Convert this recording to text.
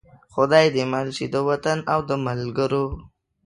خدای دې مل شي د وطن او د ملګرو.